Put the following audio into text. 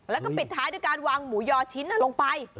แล้วก็ปิดท้ายด้วยการวางหมูยอชิ้นลงไป